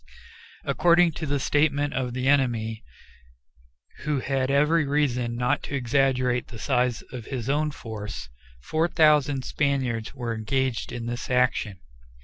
According to the statement of the enemy, who had every reason not to exaggerate the size of his own force, 4,000 Spaniards were engaged in this action.